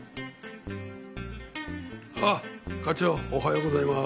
あっ課長おはようございます。